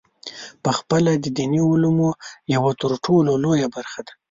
پخپله د دیني علومو یوه ترټولو لویه برخه ده.